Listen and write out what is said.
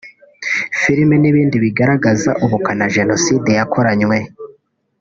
film n’ibindi bigaragaza ubukana Jenoside yakoranywe